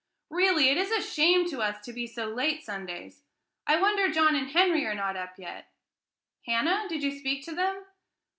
"Really, it is a shame to us to be so late Sundays. I wonder John and Henry are not up yet: Hannah, did you speak to them?"